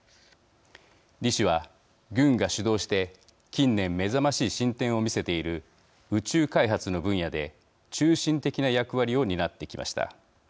李氏は軍が主導して近年目覚ましい進展を見せている宇宙開発の分野で中心的な役割を担ってきました。